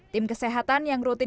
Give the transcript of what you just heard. tim kesehatan yang rutin